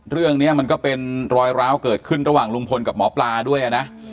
เรื่องนี้มันก็เป็นรอยร้าวเกิดขึ้นระหว่างลุงพลกับหมอปลาด้วยนะ